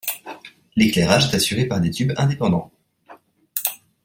L'éclairage est assuré par des tubes indépendants.